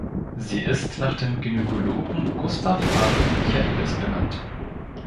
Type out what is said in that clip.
Sie ist nach dem Gynäkologen Gustav Adolph Michaelis benannt.